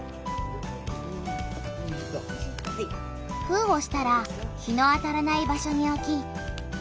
封をしたら日の当たらない場所におき